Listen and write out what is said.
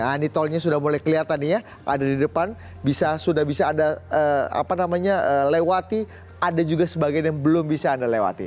nah ini tolnya sudah mulai kelihatan nih ya ada di depan sudah bisa anda lewati ada juga sebagian yang belum bisa anda lewati